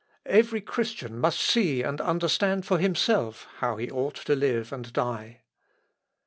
Every Christian must see and understand for himself how he ought to live and die."